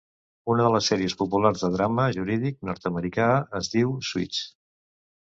Una de les sèries populars de drama jurídic nord-americà es diu Suits.